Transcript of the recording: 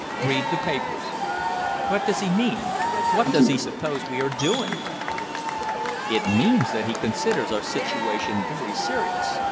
Read the papers.' What does he mean? What does he suppose we are doing?" "It means he considers our situation very serious.